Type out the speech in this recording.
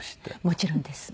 もちろんです。